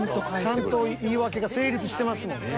［ちゃんと言い訳が成立してますもんね］